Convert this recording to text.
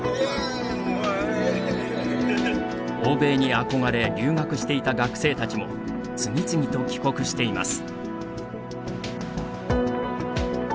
欧米に憧れ留学していた学生たちも次々と帰国しています。